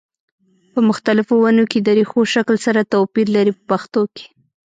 په مختلفو ونو کې د ریښو شکل سره توپیر لري په پښتو کې.